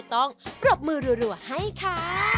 ต้องรบมือรั่วให้ค่ะ